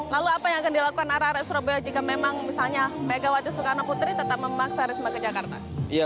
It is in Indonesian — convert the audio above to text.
lalu apa yang akan dilakukan arah arah surabaya jika memang misalnya megawati soekarno putri tetap memaksa risma ke jakarta